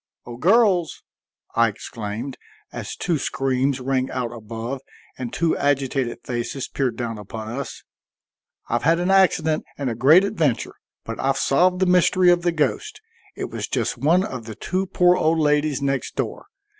"O girls!" I exclaimed, as two screams rang out above and two agitated faces peered down upon us. "I've had an accident and a great adventure, but I've solved the mystery of the ghost. It was just one of the two poor old ladies next door.